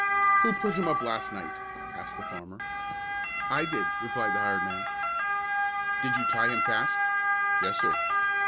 "Who put him up last night?" asked the farmer. "I did," replied the hired man. "Did you tie him fast?" "Yes, sir."